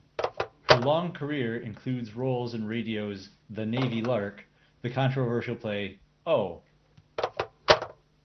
Her long career includes roles in radio's "The Navy Lark", the controversial play "Oh!